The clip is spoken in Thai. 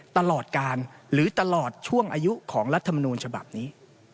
ตลอดการหรือตลอดช่วงอายุของรัฐมนูลฉบับนี้